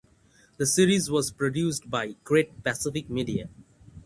The series was produced by Great Pacific Media.